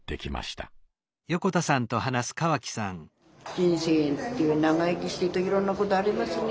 人生長生きしてるといろんなことありますね。